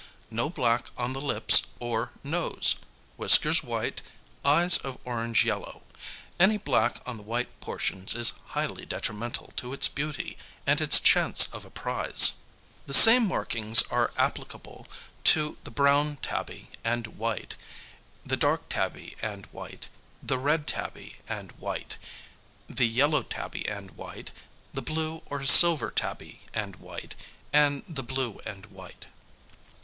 No black on the lips or nose, whiskers white, eyes of orange yellow. Any black on the white portions is highly detrimental to its beauty and its chance of a prize. The same markings are applicable to the brown tabby and white, the dark tabby and white, the red tabby and white, the yellow tabby and white, the blue or silver tabby and white, and the blue and white.